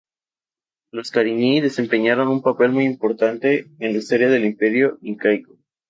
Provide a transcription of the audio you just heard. Los cañari desempeñaron un papel muy importante en la historia del Imperio incaico.